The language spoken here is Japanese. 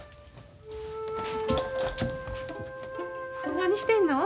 何してんの？